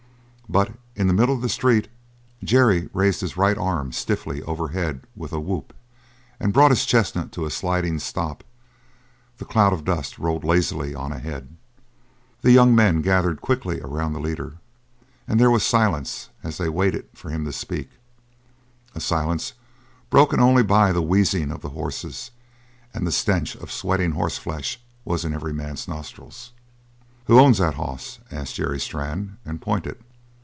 But in the middle of the street Jerry raised his right arm stiffly overhead with a whoop and brought his chestnut to a sliding stop; the cloud of dust rolled lazily on ahead. The young men gathered quickly around the leader, and there was silence as they waited for him to speak a silence broken only by the wheezing of the horses, and the stench of sweating horseflesh was in every man's nostrils. "Who owns that hoss?" asked Jerry Strann, and pointed.